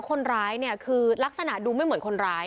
คนร้ายเนี่ยคือลักษณะดูไม่เหมือนคนร้าย